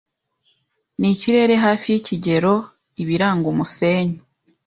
nikirere hafi yikigeroibiranga umusenyi